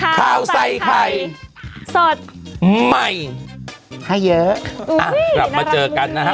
ข่าวใส่ไข่สดใหม่ให้เยอะอ่ะกลับมาเจอกันนะฮะ